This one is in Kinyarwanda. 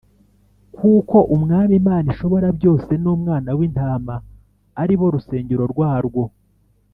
kuko Umwami Imana Ishoborabyose n’Umwana w’Intama ari bo rusengero rwarwo.